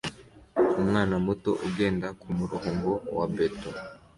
Umwana muto ugenda kumurongo wa beto